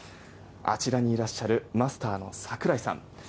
あちらにいらっしゃるマスターの櫻井さん